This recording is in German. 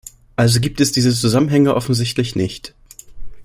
Also gibt es diese Zusammenhänge offensichtlich nicht.